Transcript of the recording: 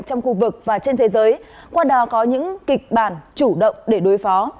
trong khu vực và trên thế giới qua đó có những kịch bản chủ động để đối phó